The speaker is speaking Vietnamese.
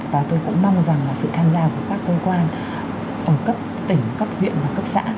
và tôi cũng mong rằng là sự tham gia của các cơ quan ở cấp tỉnh cấp huyện và cấp xã